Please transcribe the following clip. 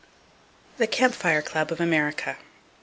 The Camp Fire Club Of America.